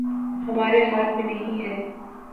ہمارے ہاتھ میں نہیں ہے